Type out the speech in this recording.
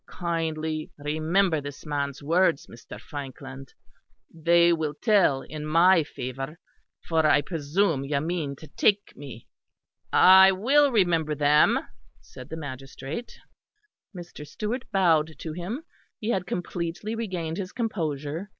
Kindly remember this man's words, Mr. Frankland; they will tell in my favour. For I presume you mean to take me." "I will remember them," said the magistrate. Mr. Stewart bowed to him; he had completely regained his composure.